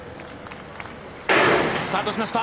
スタートしました。